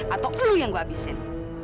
atau lu yang gue abisin